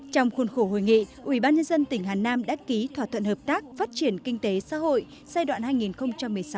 trong khuôn khổ hội nghị ubnd tỉnh hà nam đã ký thỏa thuận hợp tác phát triển kinh tế xã hội giai đoạn hai nghìn một mươi sáu hai nghìn hai mươi